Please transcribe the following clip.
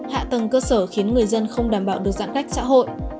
hạ tầng cơ sở khiến người dân không đảm bảo được giãn cách xã hội